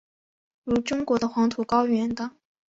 如中国的黄土高原等。